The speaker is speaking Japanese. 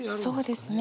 そうですね。